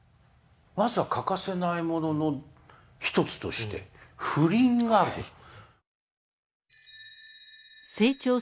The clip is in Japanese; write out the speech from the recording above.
まずは欠かせないものの一つとして「不倫」があると。